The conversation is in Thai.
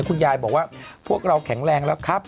คุณยายบอกว่าพวกเราแข็งแรงแล้วครับ